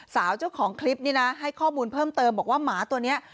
สาวเจ้าของคลิปนี้นะให้ข้อมูลเพิ่มเติมบอกว่าหมาตัวนี้